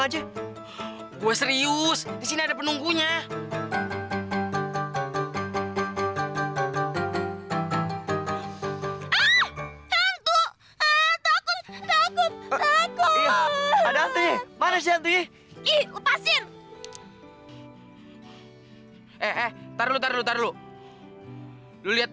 jadi kadang apaan gerade karena